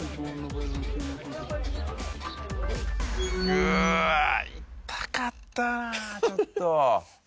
うわっ痛かったなちょっと。